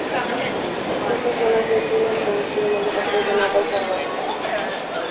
Estas son las insignias de los uniformes de la Fuerza Naval Salvadoreña.